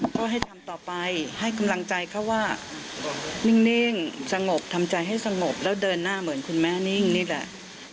ก็ให้ทำต่อไปให้กำลังใจเขาว่านิ่งสงบทำใจให้สงบแล้วเดินหน้าเหมือนคุณแม่นิ่งนี่แหละ